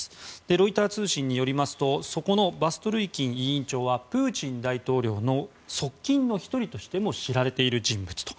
ロイター通信によりますとそこのバストルイキン委員長はプーチン大統領の側近の１人としても知られている人物と。